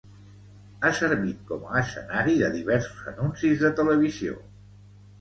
Ha servit com a escenari de diversos anuncis de televisió.